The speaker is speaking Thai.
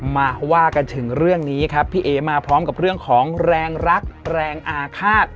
มาว่ากันถึงเรื่องนี้ครับพี่เอ๋มาพร้อมกับเรื่องของแรงรักแรงอาฆาต